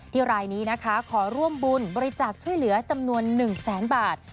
รายนี้นะคะขอร่วมบุญบริจาคช่วยเหลือจำนวน๑แสนบาท